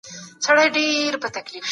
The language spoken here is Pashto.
برس په خونې کې وچول مؤثره لار ده.